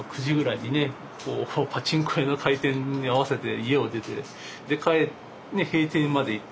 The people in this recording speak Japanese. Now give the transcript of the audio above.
パチンコ屋の開店に合わせて家を出て閉店までいて。